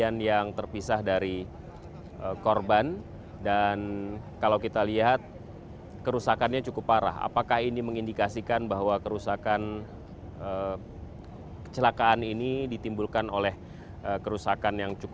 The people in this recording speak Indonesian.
nanti akan jotka mau bisa berundurkan bacaan di rayu